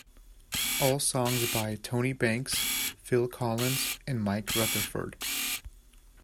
All songs by Tony Banks, Phil Collins, and Mike Rutherford.